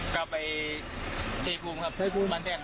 กลับไปเทพูมครับทางนี้